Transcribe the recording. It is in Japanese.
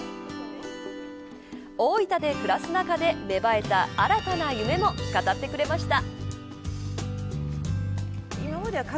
大分で暮らす中で芽生えた新たな夢も語ってくれました。